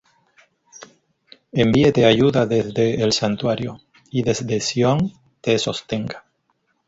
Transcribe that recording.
Envíete ayuda desde el santuario, Y desde Sión te sostenga.